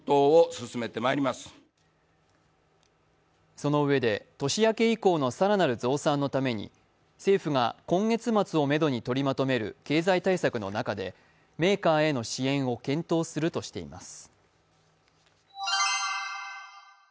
そのうえで、年明け以降の更なる増産のために政府が今月末をめどに取りまとめる経済対策の中でメーカーへの支援を検討するとしています。